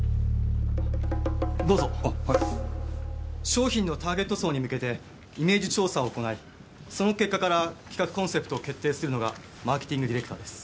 商品のターゲット層に向けてイメージ調査を行いその結果から企画コンセプトを決定するのがマーケティングディレクターです。